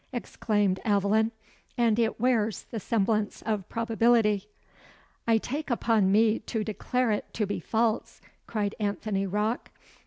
exclaimed Aveline. "And it wears the semblance of probability." "I take upon me to declare it to be false," cried Anthony Rocke.